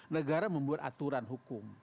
negara membuat aturan hukum